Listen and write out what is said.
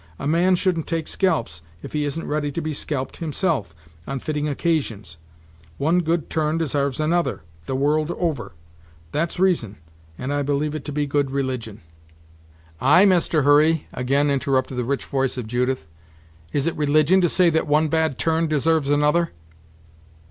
A man shouldn't take scalps, if he isn't ready to be scalped, himself, on fitting occasions. One good turn desarves another, the world over. That's reason, and I believe it to be good religion." "Ay, Master Hurry," again interrupted the rich voice of Judith, "is it religion to say that one bad turn deserves another?"